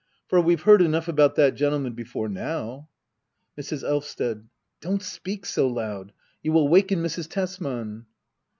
For we've heard enough about that gentleman before now. Mrs. Elvsted. Don't speak so loud. You will waken Mrs. Tes man.